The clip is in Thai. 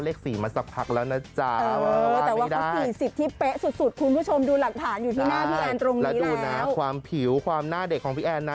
และดูความผิวความหน้าเด็กของพี่แอนนะ